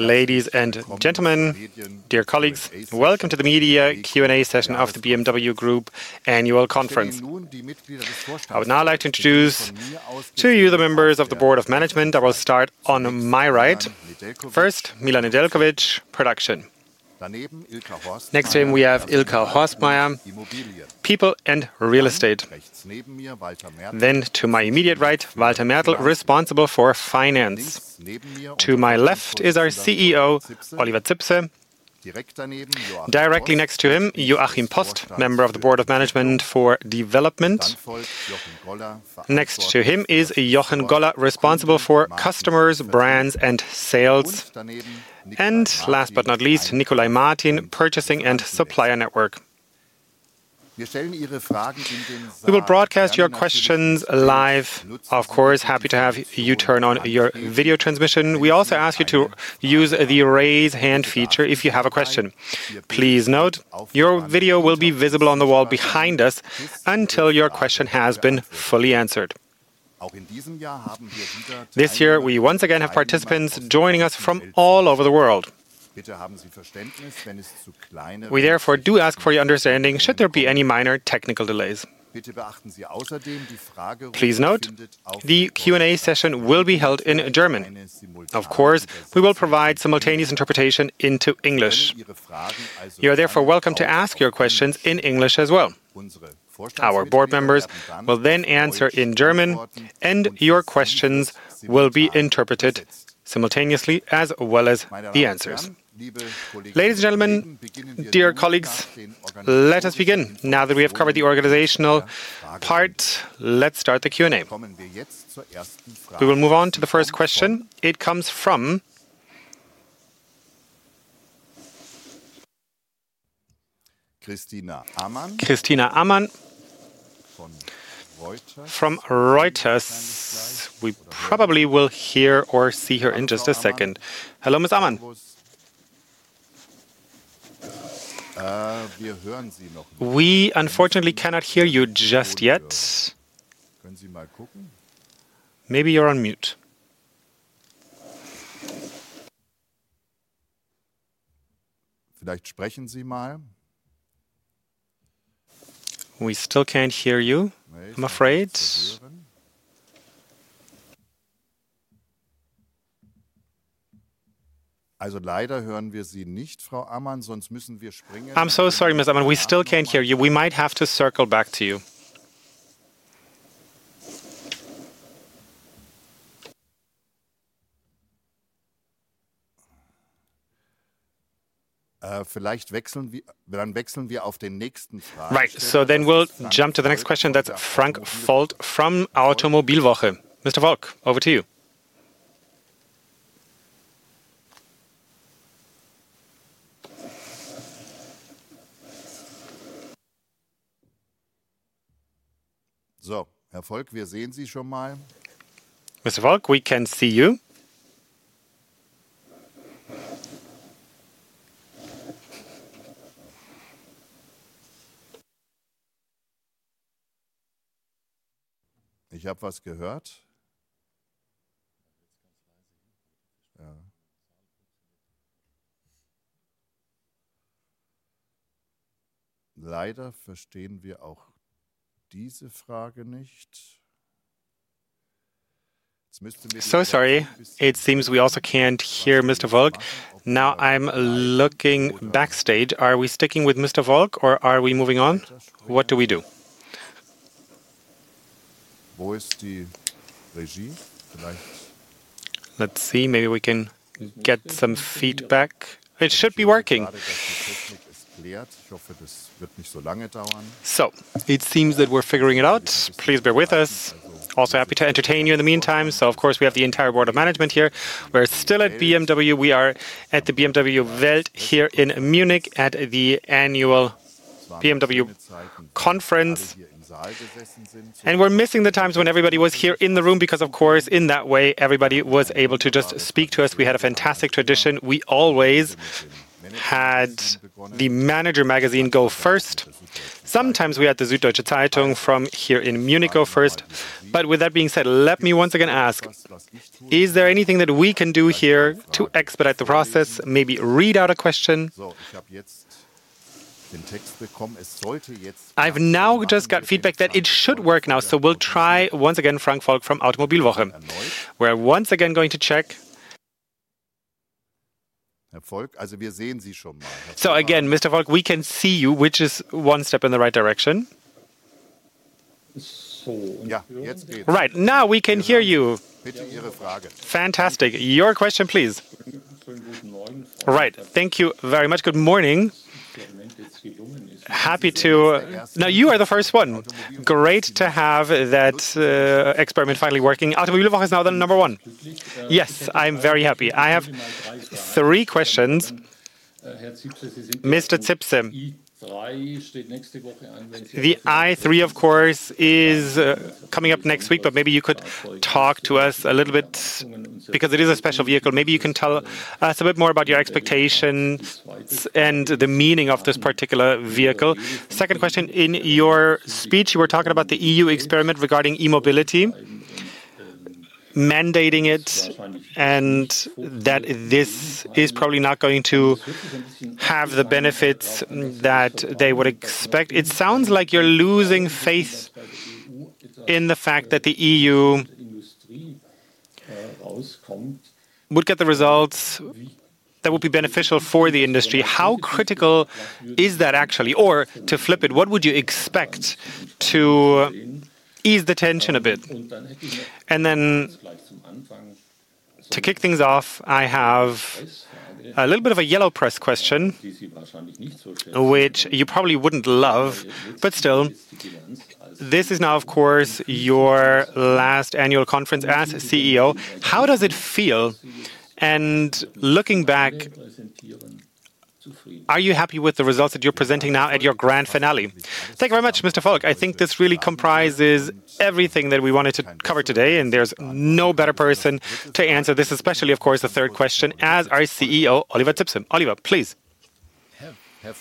Ladies and gentlemen, dear colleagues, welcome to the media Q&A session of the BMW Group Annual Conference. I would now like to introduce to you the members of the board of management. I will start on my right. First, Milan Nedeljković, Production. Next to him, we have Ilka Horstmeier, People and Real Estate. Then to my immediate right, Walter Mertl, responsible for Finance. To my left is our CEO, Oliver Zipse. Directly next to him, Joachim Post, member of the board of management for Development. Next to him is Jochen Goller, responsible for Customers, Brands and Sales. Last but not least, Nicolai Martin, Purchasing and Supplier Network. We will broadcast your questions live. Of course, happy to have you turn on your video transmission. We also ask you to use the raise hand feature if you have a question. Please note, your video will be visible on the wall behind us until your question has been fully answered. This year, we once again have participants joining us from all over the world. We therefore do ask for your understanding should there be any minor technical delays. Please note, the Q&A session will be held in German. Of course, we will provide simultaneous interpretation into English. You are therefore welcome to ask your questions in English as well. Our board members will then answer in German, and your questions will be interpreted simultaneously as well as the answers. Ladies and gentlemen, dear colleagues, let us begin. Now, that we have covered the organizational part, let's start the Q&A. We will move on to the first question. It comes from Christina Amann from Reuters. We probably will hear or see her in just a second. Hello, Ms. Amann. We unfortunately cannot hear you just yet. Maybe you're on mute. We still can't hear you, I'm afraid. I'm so sorry, Ms. Amann, we still can't hear you. We might have to circle back to you. Right. We'll jump to the next question. That's Frank Volk from Automobilwoche. Mr. Volk, over to you. Mr. Volk, we can see you. Sorry, it seems we also can't hear Mr. Volk. Now, I'm looking backstage. Are we sticking with Mr. Volk or are we moving on? What do we do? Let's see, maybe we can get some feedback. It should be working. It seems that we're figuring it out. Please bear with us. Also happy to entertain you in the meantime. Of course, we have the entire board of management here. We're still at BMW. We are at the BMW Welt here in Munich at the annual BMW Conference. We're missing the times when everybody was here in the room because, of course, in that way, everybody was able to just speak to us. We had a fantastic tradition. We always had the Manager Magazin go first. Sometimes we had the Süddeutsche Zeitung from here in Munich go first. With that being said, let me once again ask, is there anything that we can do here to expedite the process? Maybe read out a question. I've now just got feedback that it should work now. We'll try once again, Frank Volk from Automobilwoche. We're once again going to check. Again, Mr. Volk, we can see you, which is one step in the right direction. Right. Now, we can hear you. Fantastic. Your question, please. Right. Thank you very much. Good morning. Now, you are the first one. Great to have that experiment finally working. Automobilwoche is now the number one. Yes, I'm very happy. I have three questions. Mr. Zipse, the i3, of course, is coming up next week, but maybe you could talk to us a little bit because it is a special vehicle. Maybe you can tell us a bit more about your expectations and the meaning of this particular vehicle. Second question, in your speech, you were talking about the EU experiment regarding e-mobility, mandating it and that this is probably not going to have the benefits that they would expect. It sounds like you're losing faith in the fact that the EU would get the results that would be beneficial for the industry. How critical is that actually? Or to flip it, what would you expect to ease the tension a bit? Then to kick things off, I have a little bit of a yellow press question, which you probably wouldn't love, but still. This is now, of course, your last annual conference as CEO. How does it feel? Looking back, are you happy with the results that you're presenting now at your grand finale? Thank you very much, Mr. Volk. I think this really comprises everything that we wanted to cover today, and there's no better person to answer this, especially, of course, the third question, as our CEO, Oliver Zipse. Oliver, please. Right.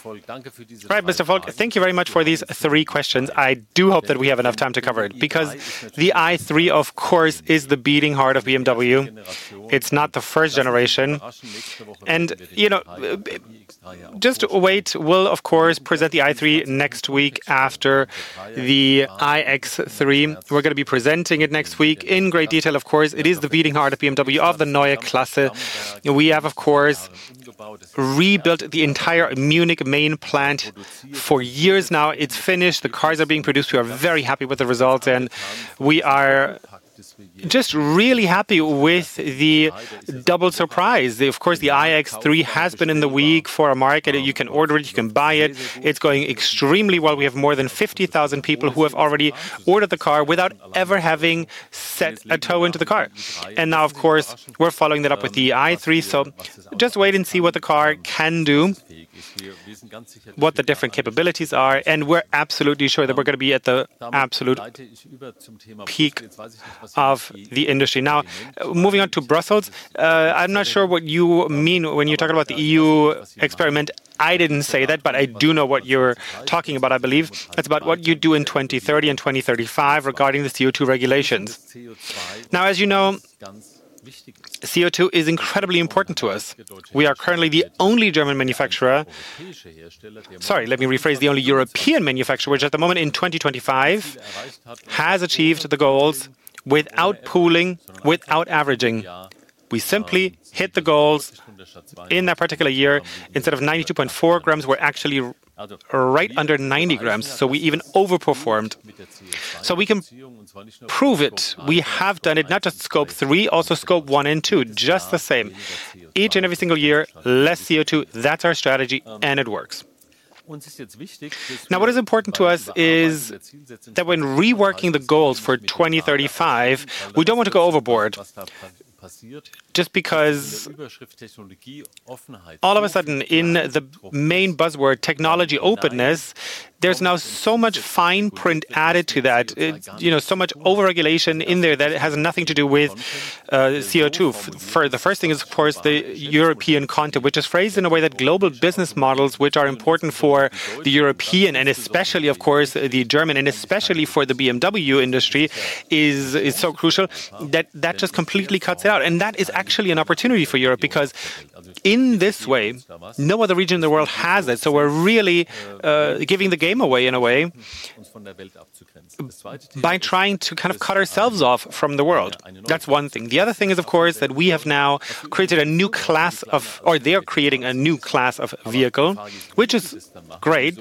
Mr. Volk, thank you very much for these three questions. I do hope that we have enough time to cover it because the i3, of course, is the beating heart of BMW. It's not the first generation. You know, just wait. We'll, of course, present the i3 next week after the iX3. We're gonna be presenting it next week in great detail, of course. It is the beating heart of BMW, of the Neue Klasse. We have, of course, rebuilt the entire Munich main plant for years now. It's finished. The cars are being produced. We are very happy with the results, and we are just really happy with the double surprise. Of course, the iX3 has been in the works for the market. You can order it. You can buy it. It's going extremely well. We have more than 50,000 people who have already ordered the car without ever having set foot in the car. Now, of course, we're following that up with the i3. Just wait and see what the car can do, what the different capabilities are, and we're absolutely sure that we're gonna be at the absolute peak of the industry. Moving on to Brussels, I'm not sure what you mean when you talk about the EU experiment. I didn't say that, but I do know what you're talking about, I believe. That's about what you do in 2030 and 2035 regarding the CO2 regulations. As you know, CO2 is incredibly important to us. The only European manufacturer which at the moment in 2025 has achieved the goals without pooling, without averaging. We simply hit the goals in that particular year. Instead of 92.4 grams, we're actually right under 90 grams, so we even overperformed. We can prove it. We have done it, not just Scope 3, also Scope 1 and 2, just the same. Each and every single year, less CO2. That's our strategy, and it works. Now, what is important to us is that when reworking the goals for 2035, we don't want to go overboard just because all of a sudden in the main buzzword, technology openness, there's now so much fine print added to that. It's, you know, so much over-regulation in there that it has nothing to do with CO2. The first thing is, of course, the European content, which is phrased in a way that global business models, which are important for the European and especially, of course, the German, and especially for the BMW industry, is so crucial that that just completely cuts out. That is actually an opportunity for Europe because in this way, no other region in the world has it. We're really giving the game away in a way by trying to kind of cut ourselves off from the world. That's one thing. The other thing is, of course, that they're creating a new class of vehicle, which is great.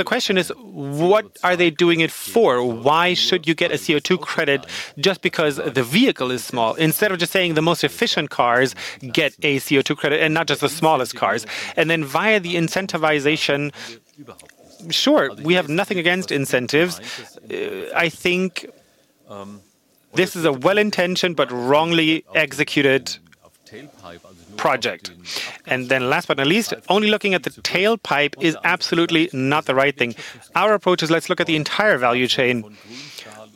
The question is, what are they doing it for? Why should you get a CO2 credit just because the vehicle is small? Instead of just saying the most efficient cars get a CO2 credit and not just the smallest cars. Then via the incentivization, sure, we have nothing against incentives. I think this is a well-intentioned but wrongly executed project. Then last but not least, only looking at the tailpipe is absolutely not the right thing. Our approach is let's look at the entire value chain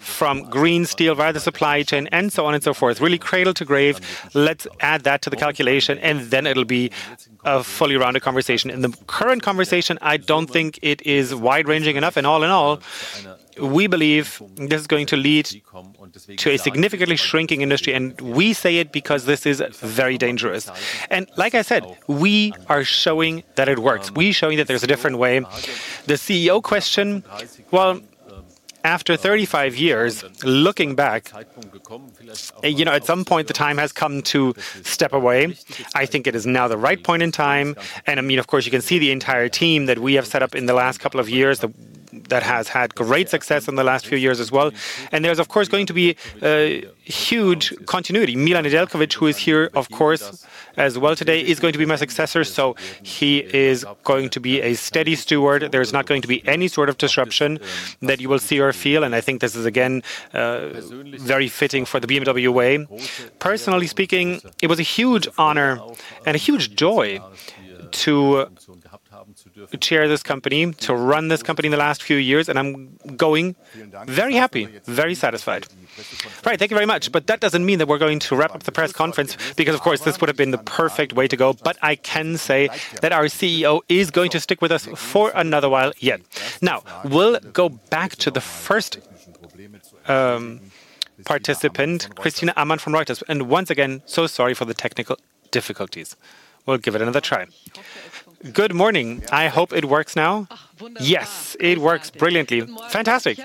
from green steel via the supply chain and so on and so forth, really cradle to grave. Let's add that to the calculation, and then it'll be a fully rounded conversation. In the current conversation, I don't think it is wide-ranging enough. All in all, we believe this is going to lead to a significantly shrinking industry, and we say it because this is very dangerous. Like I said, we are showing that it works. We're showing that there's a different way. The CEO question, well, after 35 years, looking back, you know, at some point the time has come to step away. I think it is now the right point in time. I mean, of course, you can see the entire team that we have set up in the last couple of years that has had great success in the last few years as well. There's, of course, going to be a huge continuity. Milan Nedeljković, who is here, of course, as well today, is going to be my successor, so he is going to be a steady steward. There's not going to be any sort of disruption that you will see or feel, and I think this is again, very fitting for the BMW way. Personally speaking, it was a huge honor and a huge joy to chair this company, to run this company in the last few years, and I'm going very happy, very satisfied. All right. Thank you very much. That doesn't mean that we're going to wrap up the press conference because, of course, this would have been the perfect way to go. I can say that our CEO is going to stick with us for another while yet. Now, we'll go back to the first participant, Christina Amman from Reuters. Once again, so sorry for the technical difficulties. We'll give it another try. Good morning. I hope it works now. Yes, it works brilliantly. Fantastic.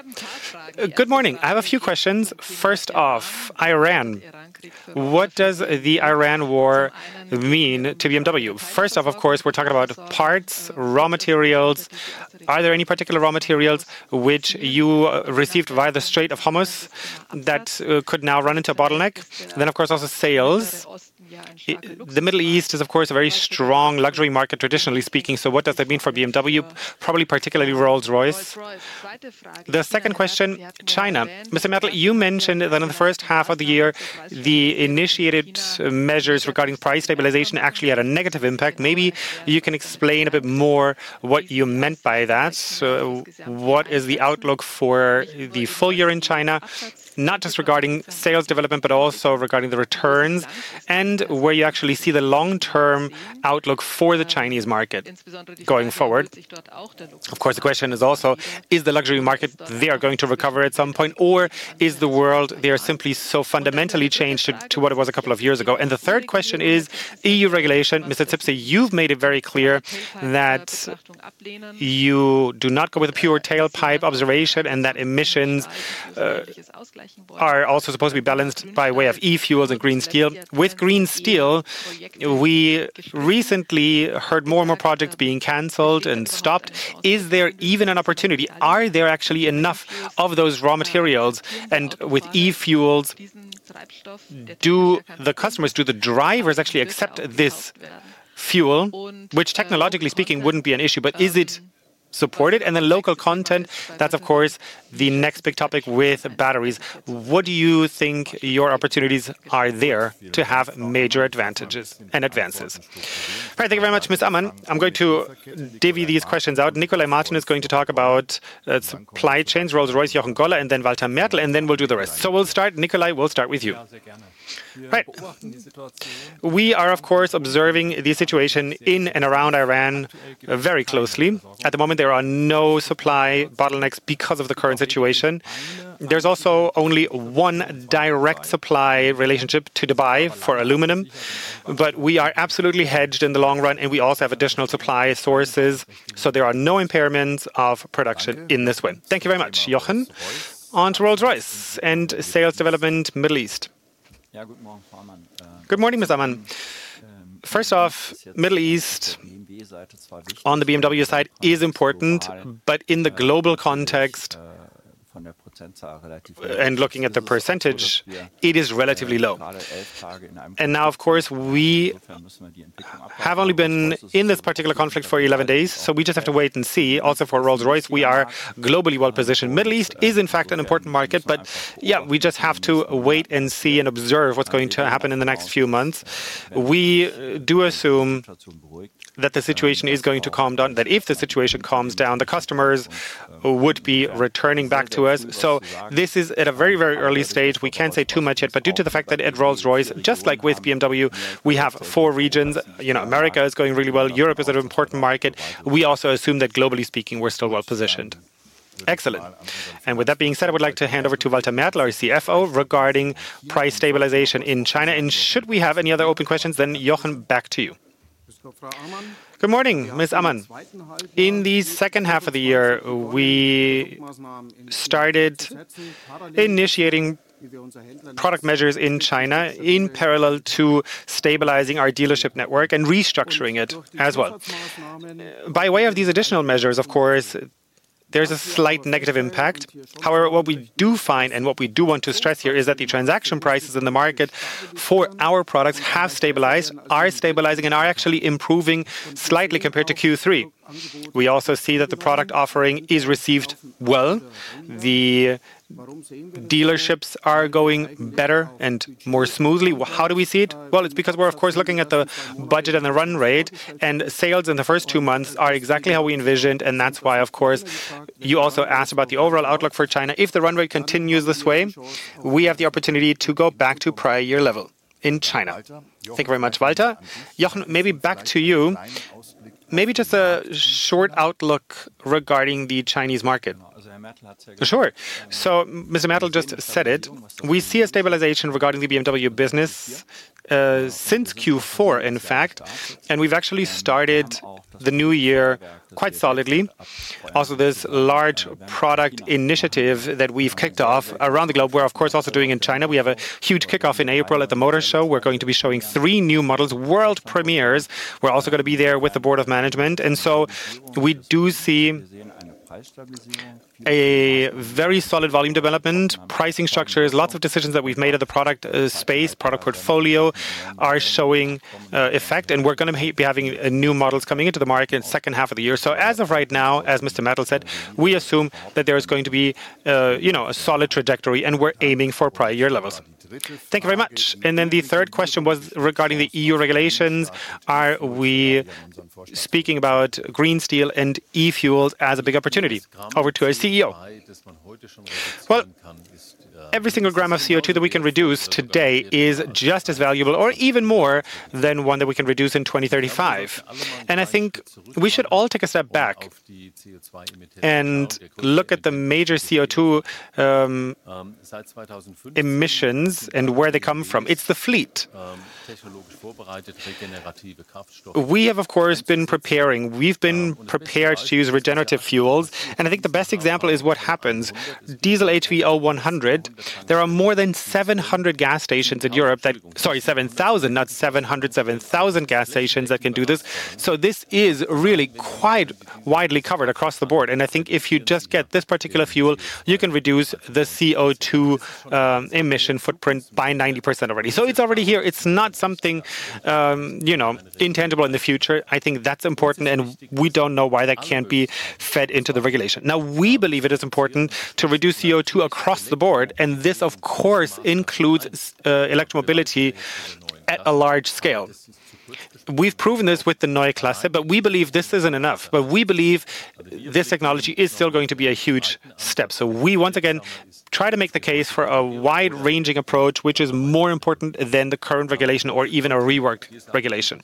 Good morning. I have a few questions. First off, Iran. What does the Iran war mean to BMW? First off, of course, we're talking about parts, raw materials. Are there any particular raw materials which you received via the Strait of Hormuz that could now run into a bottleneck? Then, of course, also sales. The Middle East is, of course, a very strong luxury market, traditionally speaking, so what does that mean for BMW? Probably particularly Rolls-Royce. The second question, China. Mr. Mertl, you mentioned that in the first half of the year, the initiated measures regarding price stabilization actually had a negative impact. Maybe you can explain a bit more what you meant by that. What is the outlook for the full year in China, not just regarding sales development, but also regarding the returns and where you actually see the long-term outlook for the Chinese market going forward? Of course, the question is also, is the luxury market there going to recover at some point, or is the world there simply so fundamentally changed to what it was a couple of years ago? The third question is EU regulation. Mr. Zipse, you've made it very clear that you do not go with a pure tailpipe observation and that emissions are also supposed to be balanced by way of e-fuels and green steel. With green steel, we recently heard more and more projects being canceled and stopped. Is there even an opportunity? Are there actually enough of those raw materials? With e-fuels, do the customers, do the drivers actually accept this fuel, which technologically speaking wouldn't be an issue, but is it supported? Then local content, that's of course the next big topic with batteries. What do you think your opportunities are there to have major advantages and advances? Right. Thank you very much, Ms. Ammon. I'm going to divvy these questions out. Nicolai Martin is going to talk about supply chains, Rolls-Royce, Jochen Goller, and then Walter Mertl, and then we'll do the rest. We'll start, Nicolai, we'll start with you. Right. We are, of course, observing the situation in and around Iran very closely. At the moment, there are no supply bottlenecks because of the current situation. There's also only one direct supply relationship to Dubai for aluminum. We are absolutely hedged in the long run, and we also have additional supply sources, so there are no impairments of production in this one. Thank you very much, Jochen. On to Rolls-Royce and sales development, Middle East. Good morning, Ms. Ammon. First off, Middle East on the BMW side is important, but in the global context, and looking at the percentage, it is relatively low. Now, of course, we have only been in this particular conflict for 11 days, so we just have to wait and see. Also, for Rolls-Royce, we are globally well-positioned. Middle East is, in fact, an important market, but yeah, we just have to wait and see and observe what's going to happen in the next few months. We do assume that the situation is going to calm down, that if the situation calms down, the customers would be returning back to us. This is at a very, very early stage. We can't say too much yet, but due to the fact that at Rolls-Royce, just like with BMW, we have four regions. You know, America is going really well. Europe is an important market. We also assume that globally speaking, we're still well-positioned. Excellent. With that being said, I would like to hand over to Walter Mertl, our CFO, regarding price stabilization in China. Should we have any other open questions, then Jochen, back to you. Good morning, Ms. Ammon. In the second half of the year, we started initiating product measures in China in parallel to stabilizing our dealership network and restructuring it as well. By way of these additional measures, of course, there's a slight negative impact. However, what we do find and what we do want to stress here is that the transaction prices in the market for our products have stabilized, are stabilizing, and are actually improving slightly compared to Q3. We also see that the product offering is received well. The dealerships are going better and more smoothly. Well, how do we see it? Well, it's because we're of course looking at the budget and the run rate, and sales in the first two months are exactly how we envisioned, and that's why, of course, you also asked about the overall outlook for China. If the run rate continues this way, we have the opportunity to go back to prior year level in China. Thank you very much, Walter. Jochen, maybe back to you. Maybe just a short outlook regarding the Chinese market. Sure. Mr. Mertl just said it. We see a stabilization regarding the BMW business, since Q4, in fact, and we've actually started the new year quite solidly. Also, there's large product initiative that we've kicked off around the globe. We're of course also doing in China. We have a huge kickoff in April at the Motor Show. We're going to be showing three new models, world premieres. We're also gonna be there with the board of management. We do see a very solid volume development, pricing structures, lots of decisions that we've made at the product, space, product portfolio are showing effect, and we're gonna be having new models coming into the market second half of the year. As of right now, as Mr. Mertl said, we assume that there is going to be, you know, a solid trajectory, and we're aiming for prior year levels. Thank you very much. The third question was regarding the EU regulations. Are we speaking about green steel and e-fuels as a big opportunity? Over to our CEO. Well, every single gram of CO2 that we can reduce today is just as valuable, or even more, than one that we can reduce in 2035. I think we should all take a step back and look at the major CO2 emissions and where they come from. It's the fleet. We have, of course, been preparing. We've been prepared to use renewable fuels, and I think the best example is what happens with Diesel HVO100. There are more than 7,000 gas stations in Europe that can do this. So this is really quite widely covered across the board. I think if you just get this particular fuel, you can reduce the CO2 emission footprint by 90% already. So it's already here. It's not something, you know, intangible in the future. I think that's important, and we don't know why that can't be fed into the regulation. Now, we believe it is important to reduce CO2 across the board, and this of course includes, electro-mobility at a large scale. We've proven this with the Neue Klasse, but we believe this isn't enough. We believe this technology is still going to be a huge step. We once again try to make the case for a wide-ranging approach, which is more important than the current regulation or even a reworked regulation.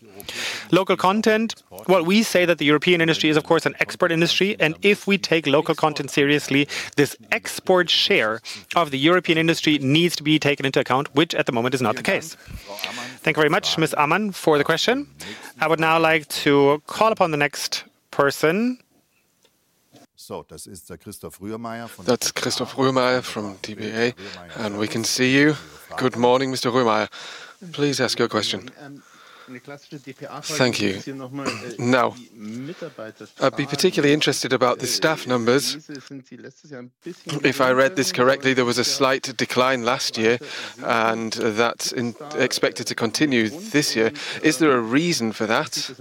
Local content, well, we say that the European industry is of course an expert industry, and if we take local content seriously, this export share of the European industry needs to be taken into account, which at the moment is not the case. Thank you very much, Ms. Ammon, for the question. I would now like to call upon the next person. That's Christoph Röhrmaier from dpa, and we can see you. Good morning, Mr. Röhrmaier. Please ask your question. Thank you. Now, I'd be particularly interested about the staff numbers. If I read this correctly, there was a slight decline last year, and that's expected to continue this year. Is there a reason for that?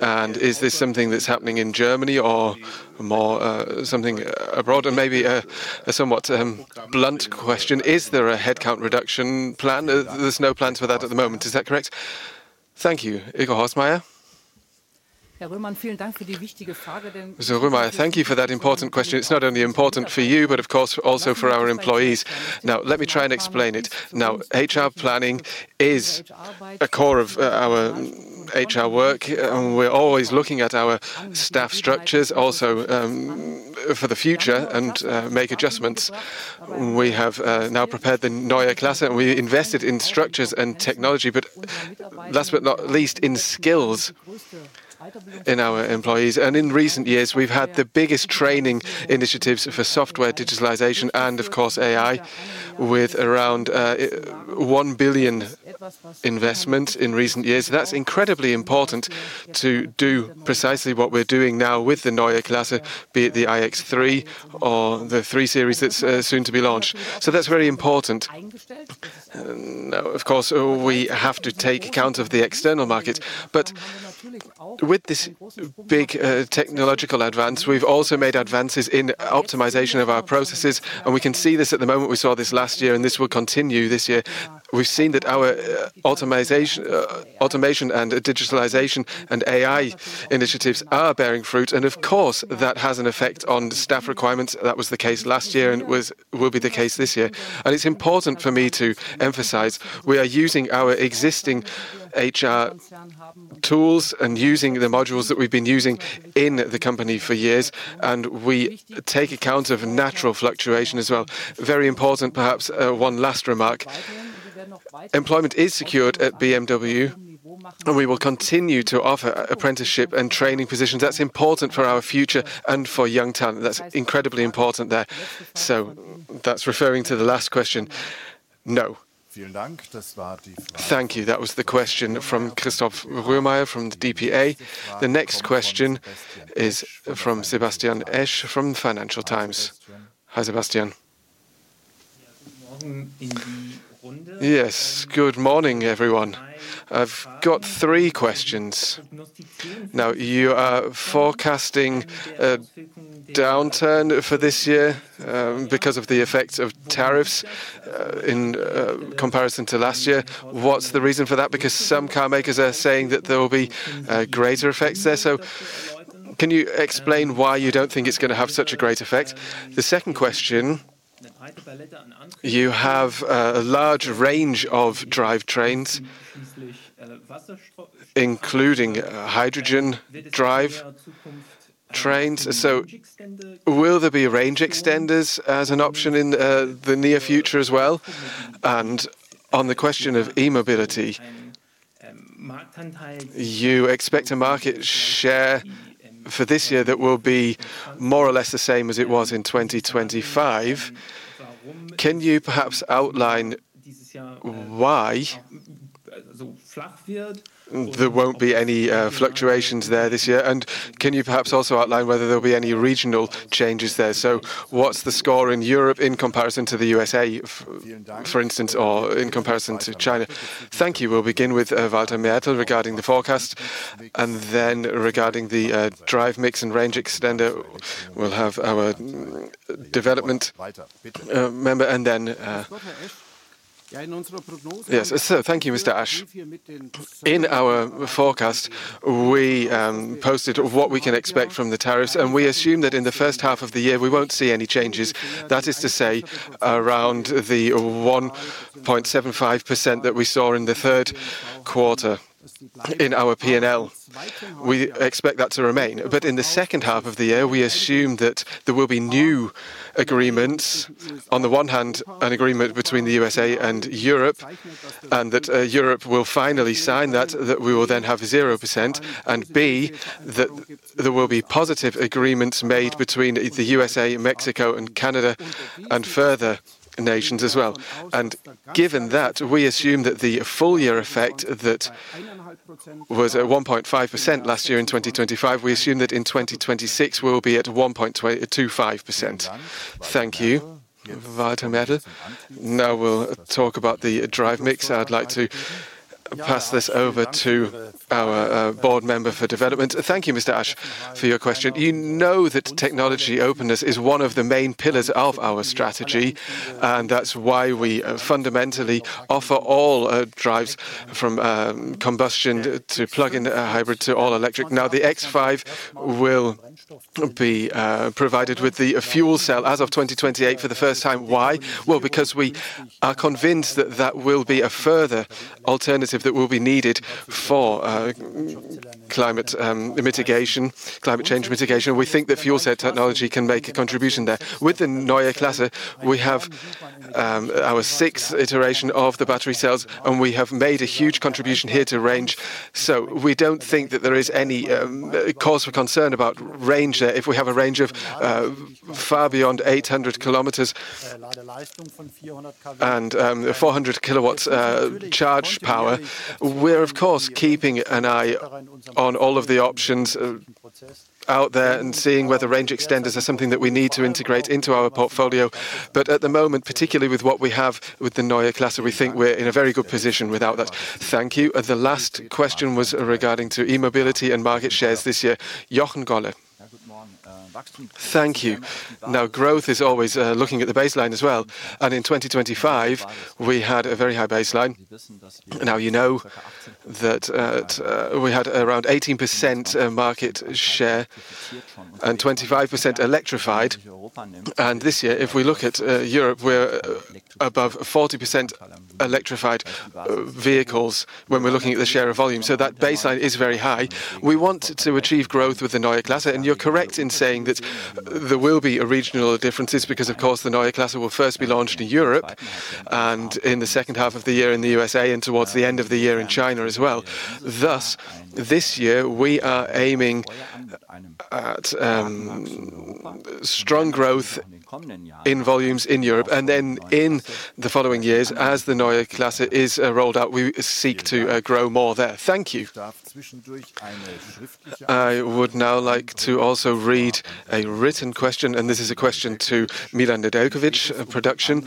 And is this something that's happening in Germany or more something abroad? And maybe a somewhat blunt question, is there a headcount reduction plan? There's no plans for that at the moment. Is that correct? Thank you. Ilka Horstmeier. Mr. Röhrmaier, thank you for that important question. It's not only important for you, but of course also for our employees. Now, let me try and explain it. Now, HR planning is a core of our HR work, and we're always looking at our staff structures also for the future and make adjustments. We have now prepared the Neue Klasse, and we invested in structures and technology, but last but not least, in skills in our employees. In recent years, we've had the biggest training initiatives for software digitalization and of course AI, with around 1 billion investment in recent years. That's incredibly important to do precisely what we're doing now with the Neue Klasse, be it the iX3 or the 3 Series that's soon to be launched. That's very important. Now, of course, we have to take account of the external markets. With this big technological advance, we've also made advances in optimization of our processes, and we can see this at the moment. We saw this last year, and this will continue this year. We've seen that our automation and digitalization and AI initiatives are bearing fruit, and of course, that has an effect on staff requirements. That was the case last year and will be the case this year. It's important for me to emphasize, we are using our existing HR tools and using the modules that we've been using in the company for years, and we take account of natural fluctuation as well. Very important, perhaps, one last remark. Employment is secured at BMW, and we will continue to offer apprenticeship and training positions. That's important for our future and for young talent. That's incredibly important there. That's referring to the last question. No. Thank you. That was the question from Christoph Röhrmaier from the dpa. The next question is from Sebastian Esch from Financial Times. Hi, Sebastian. Yes. Good morning, everyone. I've got three questions. Now, you are forecasting a downturn for this year because of the effects of tariffs in comparison to last year. What's the reason for that? Because some car makers are saying that there will be greater effects there. So can you explain why you don't think it's gonna have such a great effect? The second question, you have a large range of drivetrains, including hydrogen drivetrains. So will there be range extenders as an option in the near future as well? And on the question of e-mobility, you expect a market share for this year that will be more or less the same as it was in 2025. Can you perhaps outline why there won't be any fluctuations there this year? And can you perhaps also outline whether there'll be any regional changes there? What's the score in Europe in comparison to the USA, for instance, or in comparison to China? Thank you. We'll begin with Walter Mertl regarding the forecast, and then regarding the drive mix and range extender, we'll have our development member. Yes. Thank you, Mr. Esch. In our forecast, we posted what we can expect from the tariffs, and we assume that in the first half of the year, we won't see any changes. That is to say, around the 1.75% that we saw in the third quarter in our P&L. We expect that to remain. In the second half of the year, we assume that there will be new agreements. On the one hand, an agreement between the USA and Europe, and that Europe will finally sign that we will then have 0%, and B, that there will be positive agreements made between the USA, Mexico, and Canada and further nations as well. Given that, we assume that the full year effect that was at 1.5% last year in 2025, we assume that in 2026, we will be at 1.25%. Thank you. Walter Mertl. Now we'll talk about the drive mix. I'd like to pass this over to our board member for development. Thank you, Mr. Esch, for your question. You know that technology openness is one of the main pillars of our strategy, and that's why we fundamentally offer all drives from combustion to plug-in hybrid to all electric. Now, the X5 will be provided with the fuel cell as of 2028 for the first time. Why? Well, because we are convinced that that will be a further alternative that will be needed for climate mitigation, climate change mitigation. We think that fuel cell technology can make a contribution there. With the Neue Klasse, we have our sixth iteration of the battery cells, and we have made a huge contribution here to range. We don't think that there is any cause for concern about range there. If we have a range of far beyond 800 kilometers and 400 kilowatts charge power, we're of course keeping an eye on all of the options out there and seeing whether range extenders are something that we need to integrate into our portfolio. At the moment, particularly with what we have with the Neue Klasse, we think we're in a very good position without that. Thank you. The last question was regarding to e-mobility and market shares this year. Jochen Goller. Thank you. Now, growth is always looking at the baseline as well. In 2025, we had a very high baseline. Now, you know that, we had around 18% market share and 25% electrified. This year, if we look at, Europe, we're above 40% electrified vehicles when we're looking at the share of volume. That baseline is very high. We want to achieve growth with the Neue Klasse. You're correct in saying that there will be regional differences because of course the Neue Klasse will first be launched in Europe and in the second half of the year in the USA and towards the end of the year in China as well. Thus, this year we are aiming at, strong growth in volumes in Europe. Then in the following years, as the Neue Klasse is, rolled out, we seek to, grow more there. Thank you. I would now like to also read a written question, and this is a question to Milan Nedeljković, production.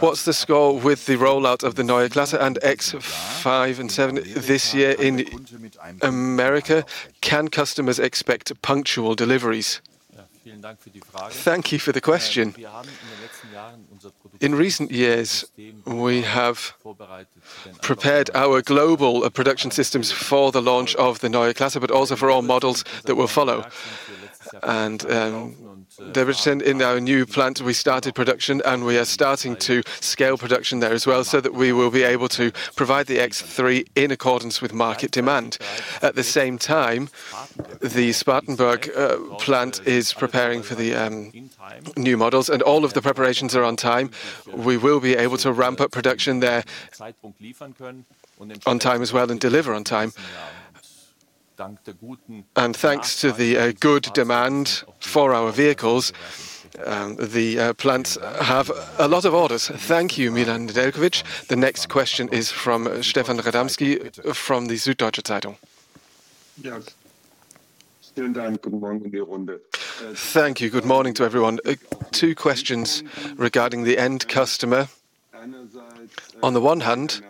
What's the score with the rollout of the Neue Klasse and X5 and X7 this year in America? Can customers expect punctual deliveries? Thank you for the question. In recent years, we have prepared our global production systems for the launch of the Neue Klasse, but also for all models that will follow. We're set in our new plant, we started production, and we are starting to scale production there as well, so that we will be able to provide the X3 in accordance with market demand. At the same time, the Spartanburg plant is preparing for the new models, and all of the preparations are on time. We will be able to ramp up production there on time as well and deliver on time. Thanks to the good demand for our vehicles, the plants have a lot of orders. Thank you, Milan Nedeljković. The next question is from Stefan Radomski from the Süddeutsche Zeitung. Yes. Thank you. Good morning to everyone. Two questions regarding the end customer. On the one hand,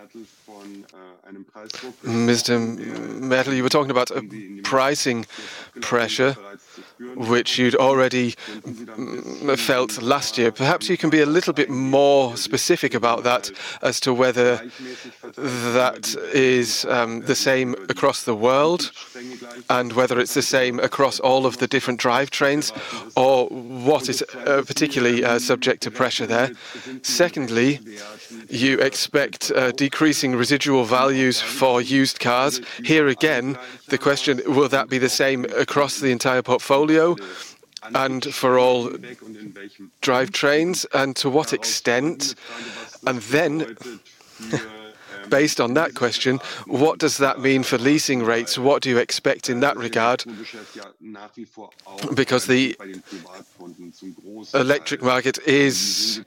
Mr. Mertl, you were talking about a pricing pressure which you'd already felt last year. Perhaps you can be a little bit more specific about that as to whether that is the same across the world and whether it's the same across all of the different drivetrains, or what is particularly subject to pressure there. Secondly, you expect decreasing residual values for used cars. Here again, the question, will that be the same across the entire portfolio and for all drivetrains, and to what extent? Based on that question, what does that mean for leasing rates? What do you expect in that regard? Because the electric market is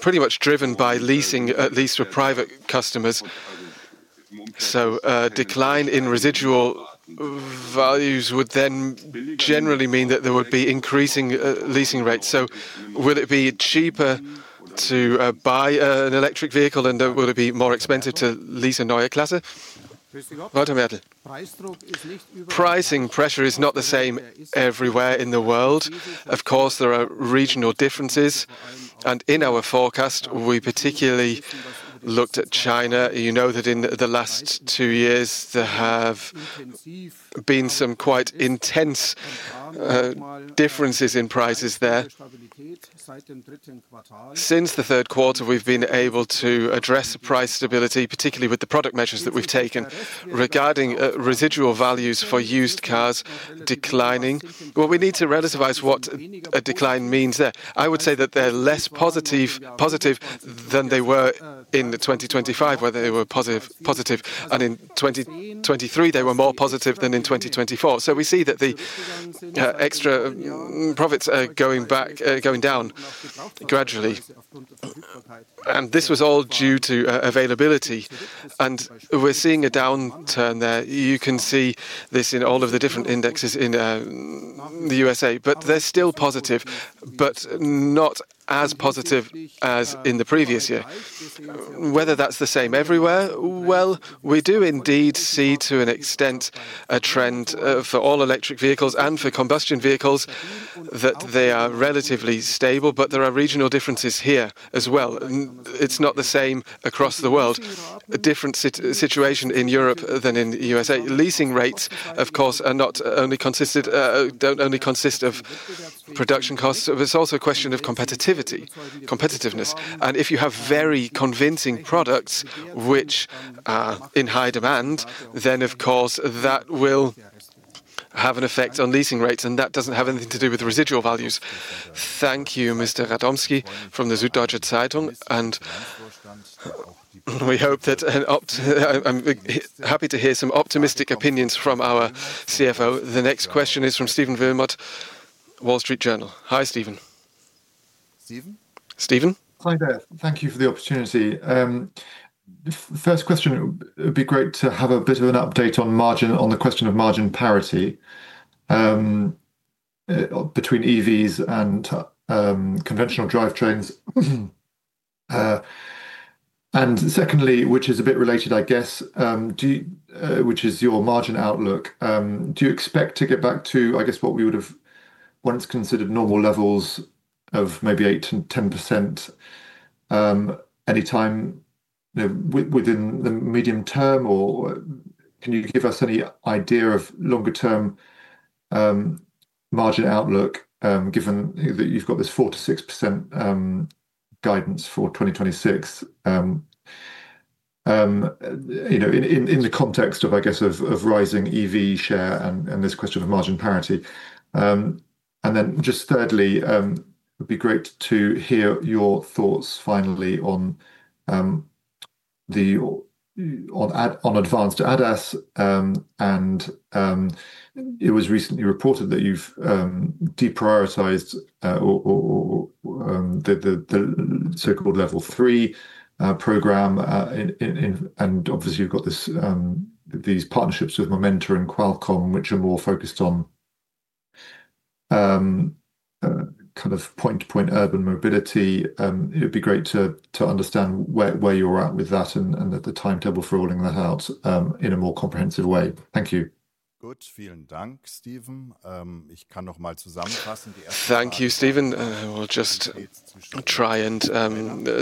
pretty much driven by leasing, at least for private customers. A decline in residual values would then generally mean that there would be increasing leasing rates. Will it be cheaper to buy an electric vehicle, and will it be more expensive to lease a Neue Klasse? Pricing pressure is not the same everywhere in the world. Of course, there are regional differences, and in our forecast, we particularly looked at China. You know that in the last two years there have been some quite intense differences in prices there. Since the third quarter, we've been able to address price stability, particularly with the product measures that we've taken. Regarding residual values for used cars declining, well, we need to relativize what a decline means there. I would say that they're less positive than they were in 2025, where they were positive, and in 2023, they were more positive than in 2024. We see that the extra profits are going back, going down gradually, and this was all due to availability, and we're seeing a downturn there. You can see this in all of the different indexes in the USA, but they're still positive, but not as positive as in the previous year. Whether that's the same everywhere, well, we do indeed see, to an extent, a trend for all-electric vehicles and for combustion vehicles that they are relatively stable, but there are regional differences here as well. It's not the same across the world. A different situation in Europe than in the USA. Leasing rates, of course, don't only consist of production costs, but it's also a question of competitiveness. If you have very convincing products which are in high demand, then, of course, that will have an effect on leasing rates, and that doesn't have anything to do with residual values. Thank you, Mr. Radomski from the Süddeutsche Zeitung. I'm happy to hear some optimistic opinions from our CFO. The next question is from Stephen Wilmot, The Wall Street Journal. Hi, Stephen. Stephen? Stephen? Hi there. Thank you for the opportunity. First question, it would be great to have a bit of an update on margin, on the question of margin parity between EVs and conventional drivetrains. Secondly, which is a bit related, I guess, what is your margin outlook, do you expect to get back to, I guess, what we would have once considered normal levels of maybe 8%-10%, anytime, you know, within the medium term, or can you give us any idea of longer-term margin outlook, given that you've got this 4%-6% for 2026, you know, in the context of, I guess, rising EV share and this question of margin parity. Just thirdly, it'd be great to hear your thoughts finally on advanced ADAS, and it was recently reported that you've deprioritized or the so-called Level 3 program in and obviously you've got these partnerships with Momenta and Qualcomm, which are more focused on kind of point-to-point urban mobility. It'd be great to understand where you're at with that and the timetable for rolling that out in a more comprehensive way. Thank you. Thank you, Stephen. We'll just try and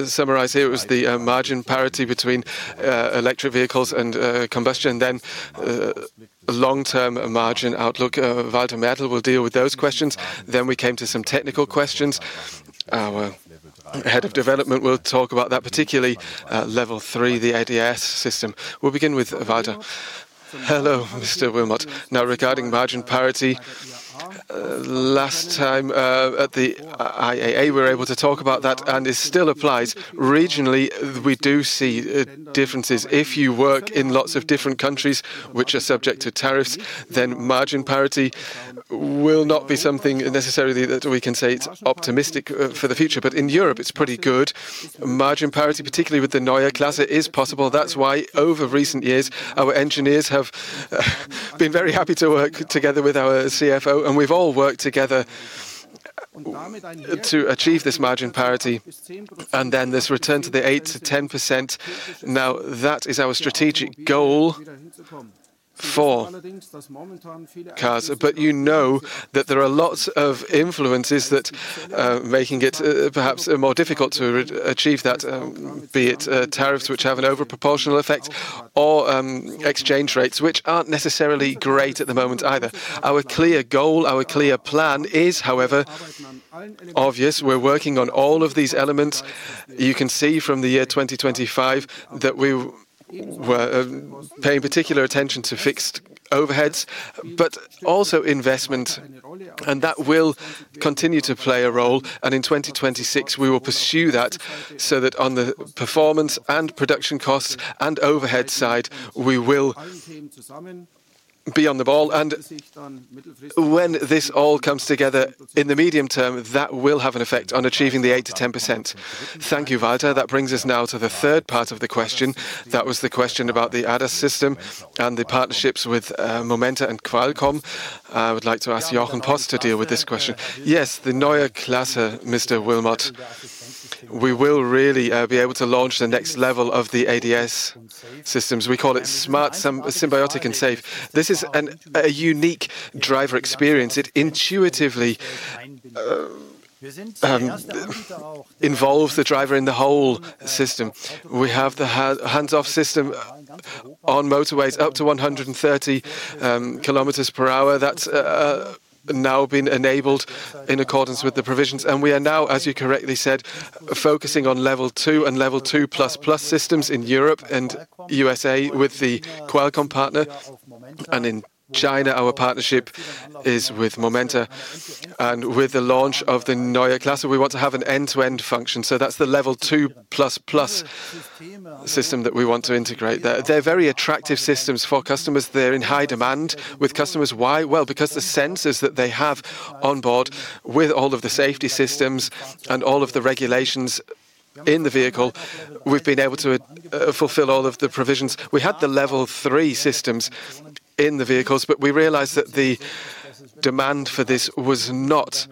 summarize here. It was the margin parity between electric vehicles and combustion, then long-term margin outlook. Walter Mertl will deal with those questions. We came to some technical questions. Our head of development will talk about that, particularly at Level 3, the ADAS system. We'll begin with Walter. Hello, Mr. Wilmot. Now, regarding margin parity, last time at the IAA, we were able to talk about that, and it still applies. Regionally, we do see differences. If you work in lots of different countries which are subject to tariffs, then margin parity will not be something necessarily that we can say it's optimistic for the future. In Europe, it's pretty good. Margin parity, particularly with the Neue Klasse, is possible. That's why over recent years, our engineers have been very happy to work together with our CFO, and we've all worked together to achieve this margin parity. Then this return to the 8%-10%, now that is our strategic goal for cars. You know that there are lots of influences that making it perhaps more difficult to achieve that, be it tariffs which have an overproportional effect or exchange rates which aren't necessarily great at the moment either. Our clear goal, our clear plan is, however, obvious. We're working on all of these elements. You can see from the year 2025 that we were paying particular attention to fixed overheads, but also investment, and that will continue to play a role. In 2026, we will pursue that, so that on the performance and production costs and overhead side, we will be on the ball. When this all comes together in the medium term, that will have an effect on achieving the 8%-10%. Thank you, Walter. That brings us now to the third part of the question. That was the question about the ADAS system and the partnerships with Momenta and Qualcomm. I would like to ask Joachim Post to deal with this question. Yes. The Neue Klasse, Mr. Wilmot. We will really be able to launch the next level of the ADAS systems. We call it smart, symbiotic, and safe. This is a unique driver experience. It intuitively involves the driver in the whole system. We have the hands-off system on motorways up to 130 kilometers per hour. That's now been enabled in accordance with the provisions, and we are now, as you correctly said, focusing on Level 2 and Level 2+ systems in Europe and USA with the Qualcomm partner. In China, our partnership is with Momenta. With the launch of the Neue Klasse, we want to have an end-to-end function. That's the Level 2+ system that we want to integrate. They're very attractive systems for customers. They're in high demand with customers. Why? Well, because the sensors that they have on board with all of the safety systems and all of the regulations in the vehicle, we've been able to fulfill all of the provisions. We had the Level 3 systems in the vehicles, but we realized that the demand for this was not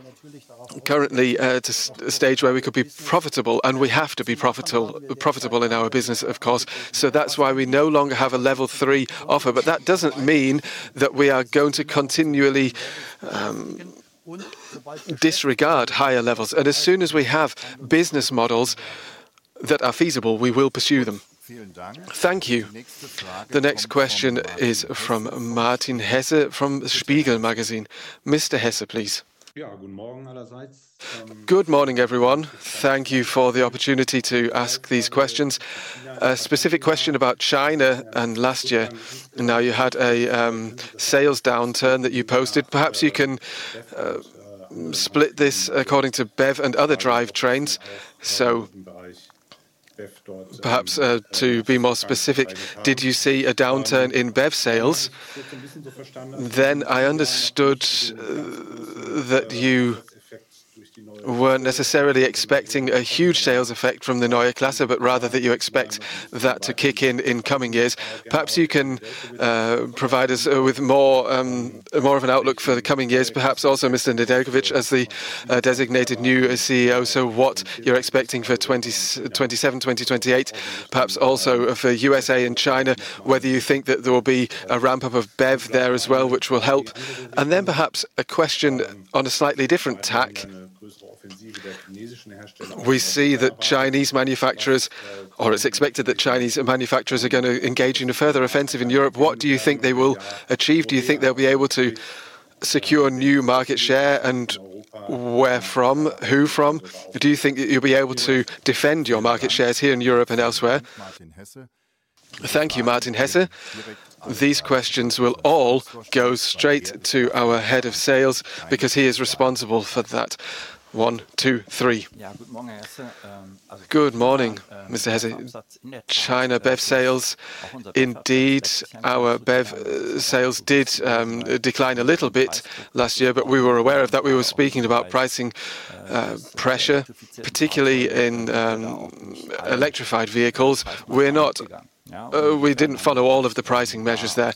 currently at a stage where we could be profitable, and we have to be profitable in our business, of course. That's why we no longer have a Level 3 offer. That doesn't mean that we are going to continually disregard higher levels. As soon as we have business models that are feasible, we will pursue them. Thank you. The next question is from Martin Hesse from Der Spiegel. Mr. Hesse, please. Good morning, everyone. Thank you for the opportunity to ask these questions. A specific question about China and last year. Now, you had a sales downturn that you posted. Perhaps you can split this according to BEV and other drivetrains. Perhaps to be more specific, did you see a downturn in BEV sales? I understood that you weren't necessarily expecting a huge sales effect from the Neue Klasse, but rather that you expect that to kick in in coming years. Perhaps you can provide us with more of an outlook for the coming years, perhaps also Mr. Nedeljković, as the designated new CEO. What you're expecting for 2027, 2028, perhaps also for USA and China, whether you think that there will be a ramp-up of BEV there as well, which will help. Then perhaps a question on a slightly different tack. We see that Chinese manufacturers, or it's expected that Chinese manufacturers are gonna engage in a further offensive in Europe. What do you think they will achieve? Do you think they'll be able to secure new market share? Where from? Who from? Do you think that you'll be able to defend your market shares here in Europe and elsewhere? Thank you, Martin Hesse. These questions will all go straight to our head of sales because he is responsible for that. One, two, three. Good morning, Mr. Hesse. China BEV sales. Indeed, our BEV sales did decline a little bit last year, but we were aware of that. We were speaking about pricing pressure, particularly in electrified vehicles. We didn't follow all of the pricing measures there.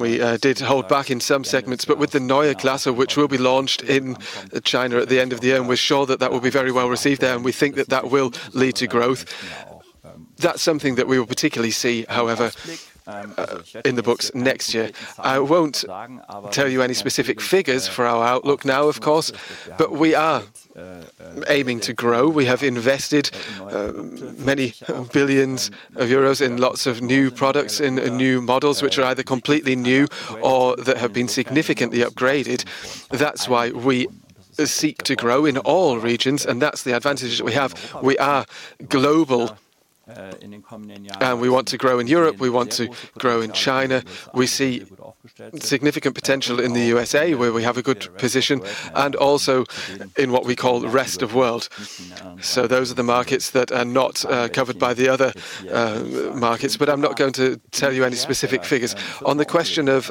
We did hold back in some segments. With the Neue Klasse, which will be launched in China at the end of the year, and we're sure that that will be very well received there, and we think that that will lead to growth. That's something that we will particularly see, however, in the books next year. I won't tell you any specific figures for our outlook now, of course, but we are aiming to grow. We have invested many billions of euros in lots of new products and new models, which are either completely new or that have been significantly upgraded. That's why we seek to grow in all regions, and that's the advantage that we have. We are global, and we want to grow in Europe, we want to grow in China. We see significant potential in the USA, where we have a good position, and also in what we call the rest of world. Those are the markets that are not covered by the other markets, but I'm not going to tell you any specific figures. On the question of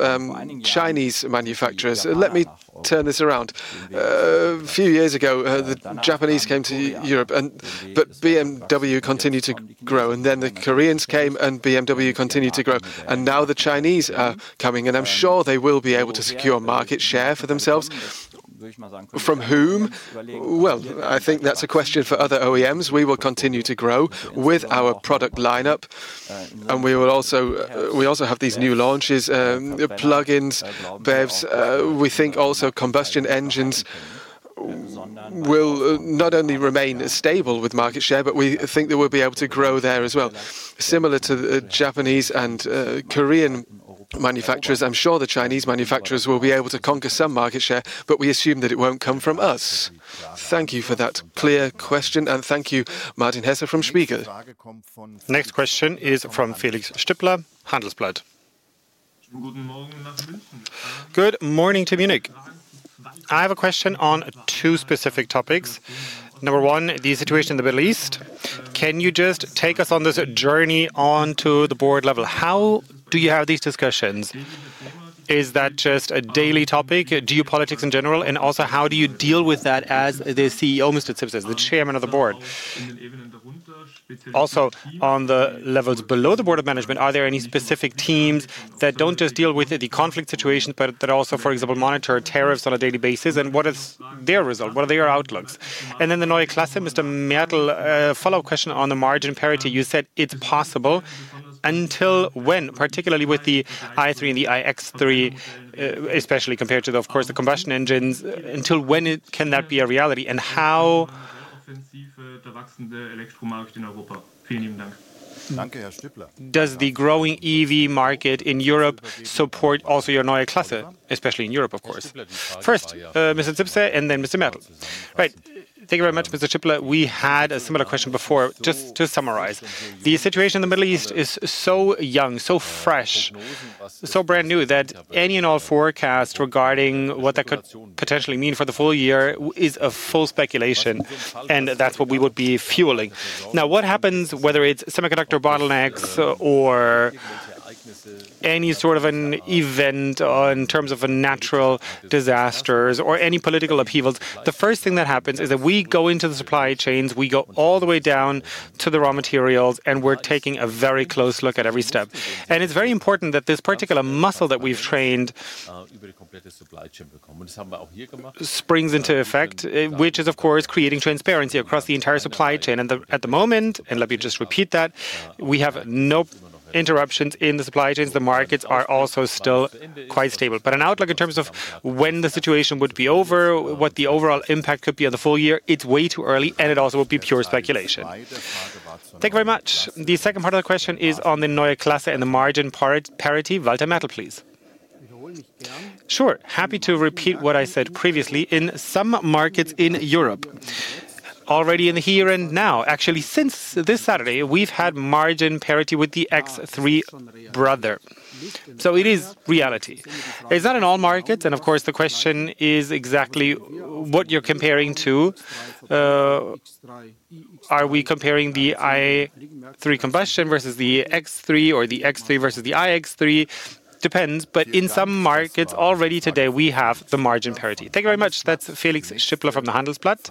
Chinese manufacturers, let me turn this around. A few years ago, the Japanese came to Europe, but BMW continued to grow, and then the Koreans came, and BMW continued to grow. Now the Chinese are coming, and I'm sure they will be able to secure market share for themselves. From whom? Well, I think that's a question for other OEMs. We will continue to grow with our product lineup, and we will also have these new launches, plug-ins, BEVs. We think also combustion engines will not only remain stable with market share, but we think they will be able to grow there as well. Similar to the Japanese and Korean manufacturers, I'm sure the Chinese manufacturers will be able to conquer some market share, but we assume that it won't come from us. Thank you for that clear question, and thank you, Martin Hesse from Spiegel. Next question is from Felix Stöppler, Handelsblatt. Good morning to Munich. I have a question on two specific topics. Number one, the situation in the Middle East. Can you just take us on this journey on to the board level? How do you have these discussions? Is that just a daily topic, geopolitics in general? And also, how do you deal with that as the CEO, Mr. Zipse, as the Chairman of the Board? Also, on the levels below the Board of Management, are there any specific teams that don't just deal with any conflict situations, but that also, for example, monitor tariffs on a daily basis? And what is their result? What are their outlooks? The Neue Klasse, Mr. Mertl, follow question on the margin parity. You said it's possible. Until when, particularly with the i3 and the iX3, especially compared to the, of course, the combustion engines, until when it can that be a reality? How does the growing EV market in Europe support also your Neue Klasse, especially in Europe, of course? First, Mr. Zipse and then Mr. Mertl. Right. Thank you very much, Mr. Stöppler. We had a similar question before. Just to summarize, the situation in the Middle East is so young, so fresh, so brand new that any and all forecasts regarding what that could potentially mean for the full year is a full speculation, and that's what we would be fueling. Now, what happens, whether it's semiconductor bottlenecks or any sort of an event or in terms of a natural disasters or any political upheavals, the first thing that happens is that we go into the supply chains, we go all the way down to the raw materials, and we're taking a very close look at every step. It's very important that this particular muscle that we've trained springs into effect, which is, of course, creating transparency across the entire supply chain. At the moment, and let me just repeat that, we have no interruptions in the supply chains. The markets are also still quite stable. An outlook in terms of when the situation would be over, what the overall impact could be on the full year, it's way too early, and it also would be pure speculation. Thank you very much. The second part of the question is on the Neue Klasse and the margin parity. Walter Mertl, please. Sure. Happy to repeat what I said previously. In some markets in Europe, already in the here and now, actually since this Saturday, we've had margin parity with the X3 brother. It is reality. It's not in all markets, and of course, the question is exactly what you're comparing to. Are we comparing the i3 combustion versus the X3 or the X3 versus the iX3? Depends, but in some markets already today, we have the margin parity. Thank you very much. That's Felix Stöppler from the Handelsblatt.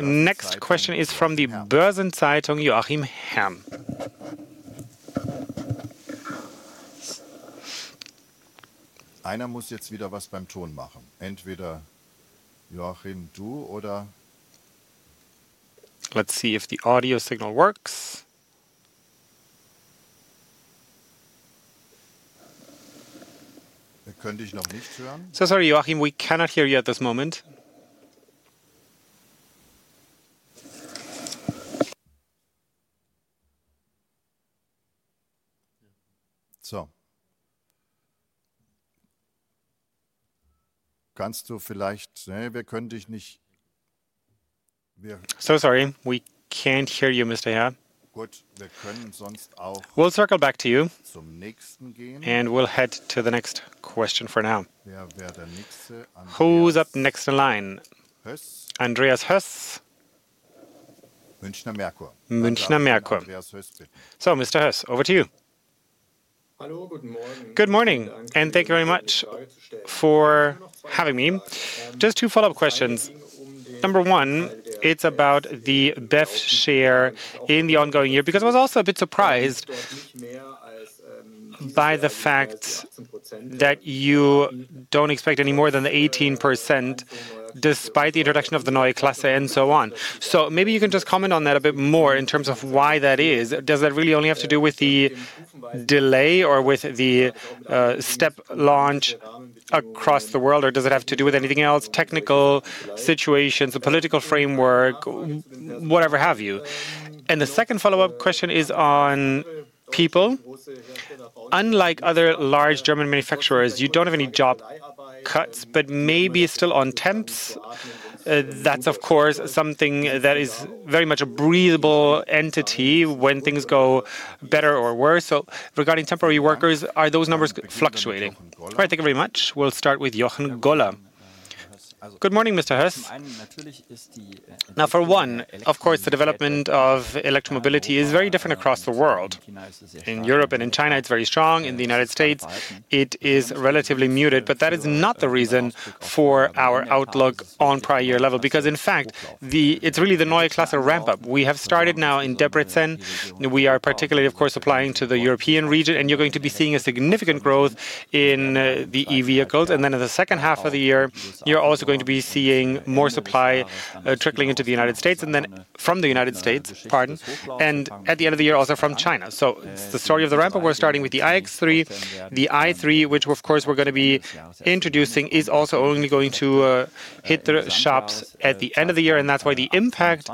Next question is from the Börsen-Zeitung, Joachim Herr. Let's see if the audio signal works. So sorry, Joachim, we cannot hear you at this moment. So sorry. We can't hear you, Mr. Herr. We'll circle back to you, and we'll head to the next question for now. Who's up next in line? Andreas Höß. Münchner Merkur. So, Mr. Höß, over to you. Good morning, and thank you very much for having me. Just two follow-up questions. Number one, it's about the BEV share in the ongoing year, because I was also a bit surprised by the fact that you don't expect any more than 18% despite the introduction of the Neue Klasse and so on. So maybe you can just comment on that a bit more in terms of why that is. Does that really only have to do with the delay or with the step launch across the world, or does it have to do with anything else, technical situations, the political framework, whatever have you? The second follow-up question is on people. Unlike other large German manufacturers, you don't have any job cuts, but maybe still on temps. That's of course something that is very much a variable entity when things go better or worse. Regarding temporary workers, are those numbers fluctuating? All right. Thank you very much. We'll start with Jochen Goller. Good morning, Mr. Höß. Now, for one, of course, the development of electromobility is very different across the world. In Europe and in China, it's very strong. In the United States, it is relatively muted. That is not the reason for our outlook on prior-year level, because in fact, it's really the Neue Klasse ramp-up. We have started now in Debrecen. We are particularly, of course, applying to the European region, and you're going to be seeing a significant growth in the E-vehicles. Then in the second half of the year, you're also going to be seeing more supply trickling into the United States, and then from the United States, pardon. At the end of the year, also from China. It's the story of the ramp-up. We're starting with the iX3, the i3, which of course we're gonna be introducing, is also only going to hit the shops at the end of the year. That's why the impact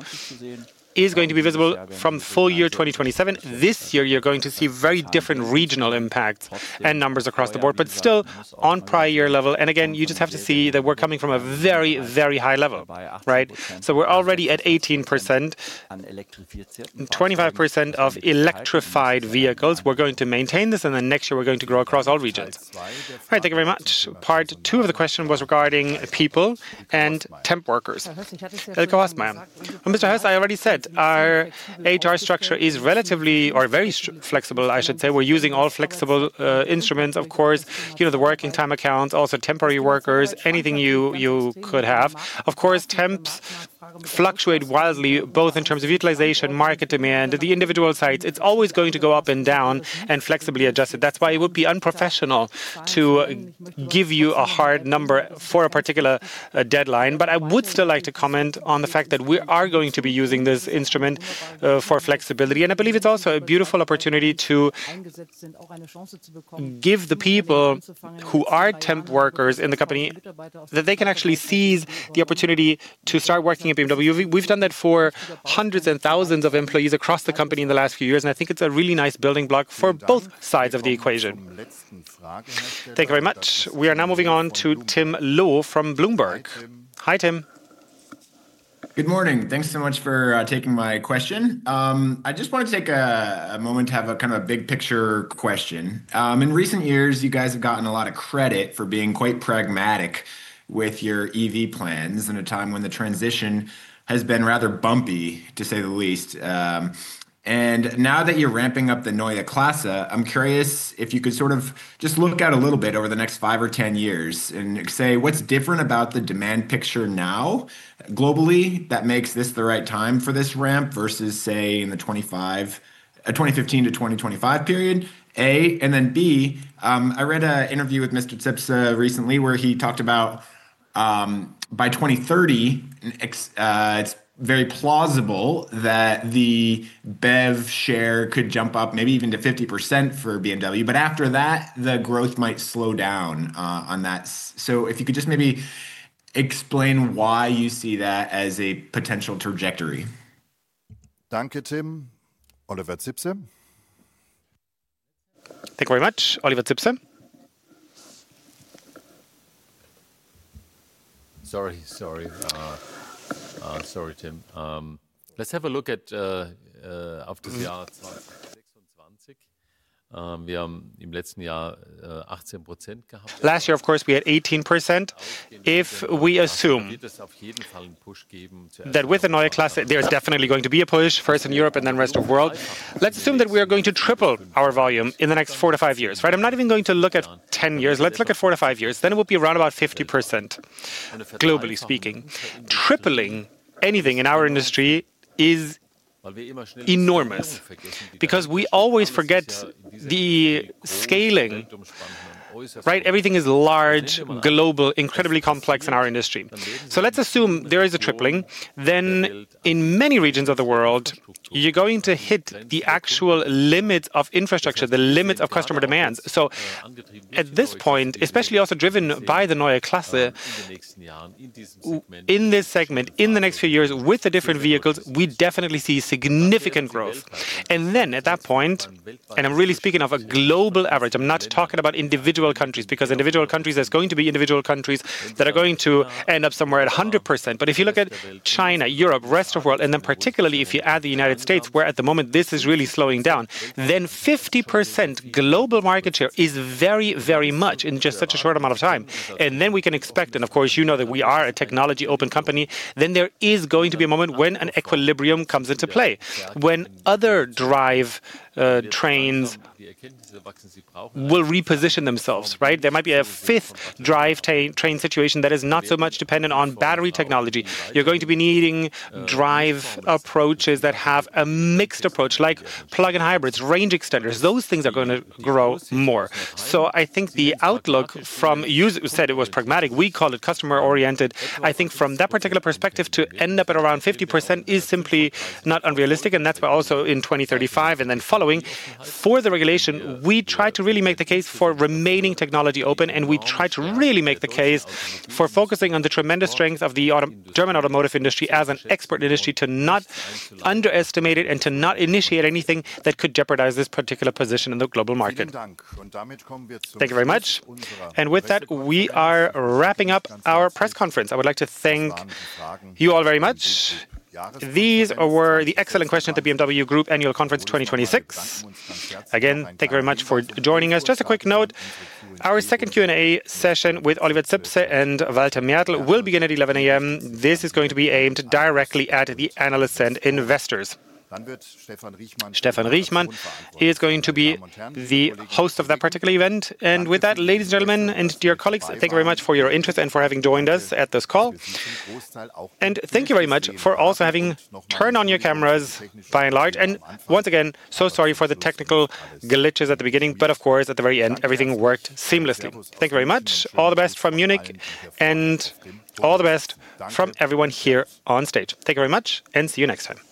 is going to be visible from full year 2027. This year, you're going to see very different regional impacts and numbers across the board, but still on prior year level. Again, you just have to see that we're coming from a very, very high level, right? We're already at 18%, 25% of electrified vehicles. We're going to maintain this, and then next year we're going to grow across all regions. All right. Thank you very much. Part two of the question was regarding people and temp workers. Mr. Höß, I already said our HR structure is relatively or very flexible, I should say. We're using all flexible instruments, of course, you know, the working time accounts, also temporary workers, anything you could have. Of course, temps fluctuate wildly, both in terms of utilization, market demand, the individual sites. It's always going to go up and down and flexibly adjusted. That's why it would be unprofessional to give you a hard number for a particular deadline. I would still like to comment on the fact that we are going to be using this instrument for flexibility. I believe it's also a beautiful opportunity to give the people who are temp workers in the company that they can actually seize the opportunity to start working at BMW. We've done that for hundreds and thousands of employees across the company in the last few years, and I think it's a really nice building block for both sides of the equation. Thank you very much. We are now moving on to Tim Rokossa from Bloomberg. Hi, Tim. Good morning. Thanks so much for taking my question. I just wanna take a moment to have a kind of a big picture question. In recent years, you guys have gotten a lot of credit for being quite pragmatic with your EV plans in a time when the transition has been rather bumpy, to say the least. Now that you're ramping up the Neue Klasse, I'm curious if you could sort of just look out a little bit over the next five or 10 years and say what's different about the demand picture now globally that makes this the right time for this ramp versus, say, in the 2015-2025 period, A. Then, B, I read an interview with Mr. Zipse recently, where he talked about by 2030, it's very plausible that the BEV share could jump up maybe even to 50% for BMW, but after that, the growth might slow down. If you could just maybe explain why you see that as a potential trajectory. Danke, Tim. Oliver Zipse. Thank you very much, Oliver Zipse. Sorry, Tim. Let's have a look at last year, of course, we had 18%. If we assume that with the Neue Klasse, there's definitely going to be a push, first in Europe and then rest of world. Let's assume that we are going to triple our volume in the next four to five years, right? I'm not even going to look at 10 years. Let's look at four to five years, then it will be around about 50%, globally speaking. Tripling anything in our industry is enormous because we always forget the scaling, right? Everything is large, global, incredibly complex in our industry. Let's assume there is a tripling. In many regions of the world, you're going to hit the actual limits of infrastructure, the limits of customer demands. At this point, especially also driven by the Neue Klasse, in this segment, in the next few years, with the different vehicles, we definitely see significant growth. Then at that point, and I'm really speaking of a global average, I'm not talking about individual countries, because individual countries, there's going to be individual countries that are going to end up somewhere at 100%. If you look at China, Europe, rest of world, and then particularly if you add the United States, where at the moment this is really slowing down, then 50% global market share is very, very much in just such a short amount of time. Then we can expect and of course, you know that we are a technology open company, then there is going to be a moment when an equilibrium comes into play, when other drive trains will reposition themselves, right? There might be a fifth drive train situation that is not so much dependent on battery technology. You're going to be needing drive approaches that have a mixed approach, like plug-in hybrids, range extenders. Those things are gonna grow more. So I think the outlook from you said it was pragmatic. We call it customer-oriented. I think from that particular perspective, to end up at around 50% is simply not unrealistic, and that's why also in 2035 and then following. For the regulation, we try to really make the case for remaining technology open, and we try to really make the case for focusing on the tremendous strength of the German automotive industry as an export industry to not underestimate it and to not initiate anything that could jeopardize this particular position in the global market. Thank you very much. With that, we are wrapping up our press conference. I would like to thank you all very much. These were the excellent questions at the BMW Group Annual Conference 2026. Again, thank you very much for joining us. Just a quick note, our second Q&A session with Oliver Zipse and Walter Mertl will begin at 11:00 A.M. This is going to be aimed directly at the analysts and investors. Stephen Reitman is going to be the host of that particular event. With that, ladies and gentlemen, and dear colleagues, thank you very much for your interest and for having joined us at this call. Thank you very much for also having turned on your cameras by and large. Once again, so sorry for the technical glitches at the beginning, but of course, at the very end, everything worked seamlessly. Thank you very much. All the best from Munich and all the best from everyone here on stage. Thank you very much and see you next time.